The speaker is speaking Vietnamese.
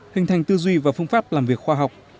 hình thành tư duy và phương pháp làm việc khoa học